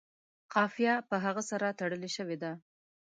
قافیه په هغه سره تړلې شوې ده.